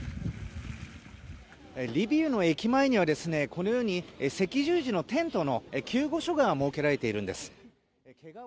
リビウの駅前にはこのように赤十字のテントの救護所が設けられているんです。